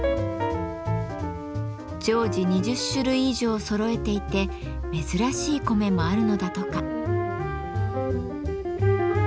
常時２０種類以上そろえていて珍しい米もあるのだとか。